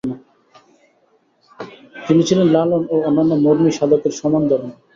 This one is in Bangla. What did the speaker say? তিনি ছিলেন লালন ও অন্যান্য মরমী সাধকের সমানধর্মা।